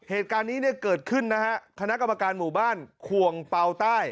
เหตุการณ์นี้เนี่ยเกิดขึ้นนะฮะคณะกรรมการหมู่บ้านควงเป่าใต้